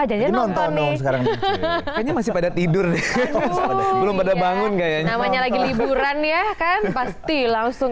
aja nonton sekarang masih pada tidur belum pada bangun kayaknya lagi liburan ya kan pasti langsung